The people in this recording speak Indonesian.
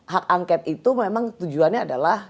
hak angket itu memang tujuannya adalah